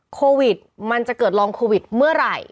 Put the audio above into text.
โควิดมันจะเกิดลองโควิดเมื่อไหร่